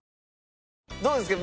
どうですか？